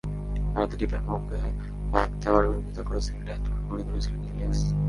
ভারতের টিপাইমুখে বাঁধ দেওয়ার বিরোধিতা করে সিলেটে আন্দোলন গড়ে তুলেছিলেন ইলিয়াস।